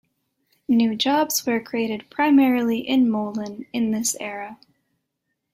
New jobs were created primarily in Moline in this era.